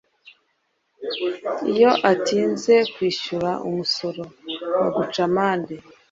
iyo atinze kwishyura umusoro baguca amande